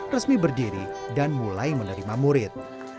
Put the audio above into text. resmi berdiri dan mulai menerima murid